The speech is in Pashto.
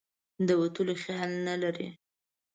د وتلو خیال نه لري.